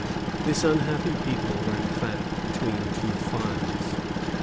] This unhappy people were in fact between two fires.